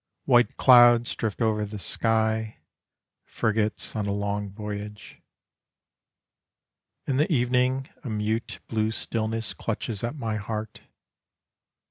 White clouds drift over the sky, Frigates on a long voyage. In the evening a mute blue stillness Clutches at my heart.